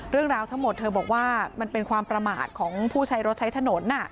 เรื่องราวทั้งหมดเธอบอกว่ามันเป็นความประมาทของผู้ใช้รถใช้ถนน